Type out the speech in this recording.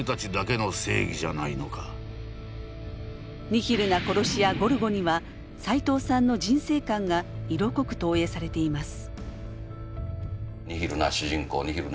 ニヒルな殺し屋ゴルゴにはさいとうさんの人生観が色濃く投影されています。